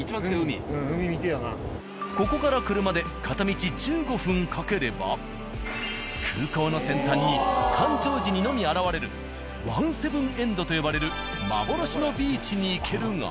ここから車で片道１５分かければ空港の先端に干潮時にのみ現れる１７ＥＮＤと呼ばれる幻のビーチに行けるが。